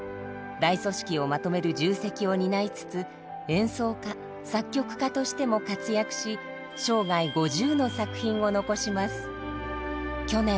大組織をまとめる重責を担いつつ演奏家作曲家としても活躍し生涯５０の作品を残します。